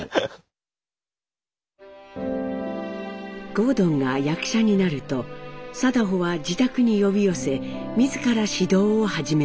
郷敦が役者になると禎穗は自宅に呼び寄せ自ら指導を始めます。